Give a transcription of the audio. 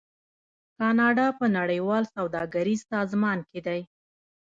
کاناډا په نړیوال سوداګریز سازمان کې دی.